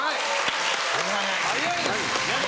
早い。